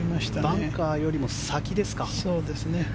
バンカーよりも先ですか。